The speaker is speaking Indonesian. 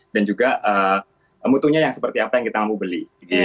dan juga mutunya seperti apa yang kita mau beli